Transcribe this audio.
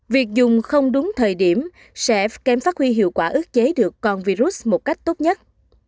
việc dùng không đúng thời điểm sẽ kém phát huy hiệu quả ước chế được con virus một cách tốt nhất